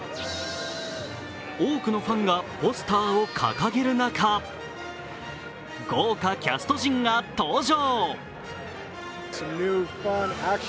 多くのファンがポスターを掲げる中、豪華キャスト陣が登場。